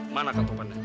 mana kak topan